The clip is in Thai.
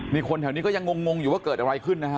คนแถวนี้ก็ยังงงอยู่ว่าเกิดอะไรขึ้นนะฮะ